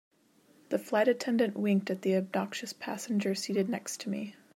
The flight attendant winked at the obnoxious passenger seated next to me.